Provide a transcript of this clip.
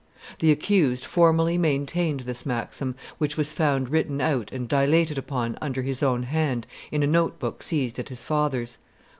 The accused formally maintained this maxim, which was found written out and dilated upon under his own hand in a note book seized at his father's.